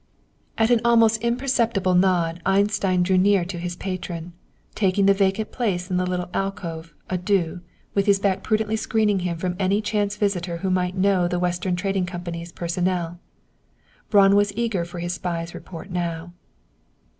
At an almost imperceptible nod Einstein drew near to his patron, taking the vacant place in the little alcove, à deux, with his back prudently screening him from any chance visitor who might know the Western Trading Company's personnel. Braun was eager for his spy's report now.